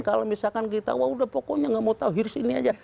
kalau misalkan kita wah udah pokoknya nggak mau tahu hears ini aja